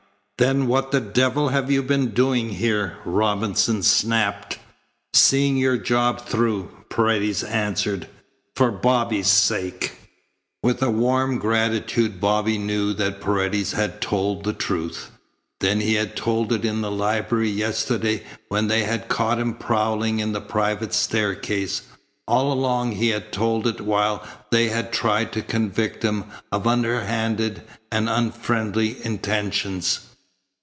"Then what the devil have you been doing here?" Robinson snapped. "Seeing your job through," Paredes answered, "for Bobby's sake." With a warm gratitude Bobby knew that Paredes had told the truth. Then he had told it in the library yesterday when they had caught him prowling in the private staircase. All along he had told it while they had tried to convict him of under handed and unfriendly intentions.